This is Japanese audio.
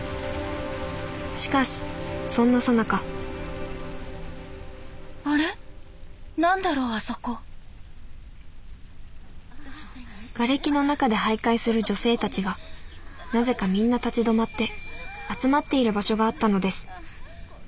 しかしそんなさなかがれきの中で徘徊する女性たちがなぜかみんな立ち止まって集まっている場所があったのです。